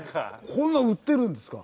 こんなの売ってるんですか？